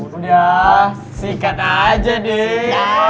mudah sikat aja deh